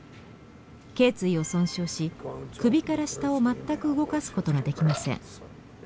頸椎を損傷し首から下を全く動かすことができません。